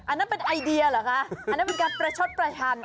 อันนั้นเป็นไอเดียเหรอคะอันนั้นเป็นการประชดประชัน